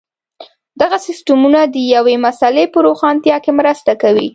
دغه سیسټمونه د یوې مسئلې په روښانتیا کې مرسته کوي.